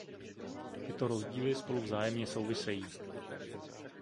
Tyto rozdíly spolu vzájemně souvisejí.